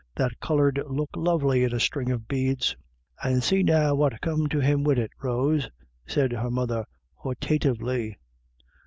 That colour'd look lovely in a string of beads." u And see now what come to him wid it, Rose," said her mother, hortatively.